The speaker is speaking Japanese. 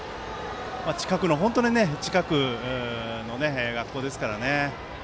近くの学校ですからね。